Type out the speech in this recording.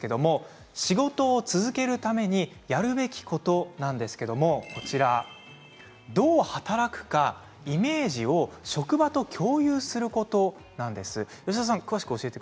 仕事を続けるためにやるべきことなんですけれどどう働くかイメージを職場と共有することなんです。